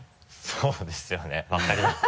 そうですよねわかります。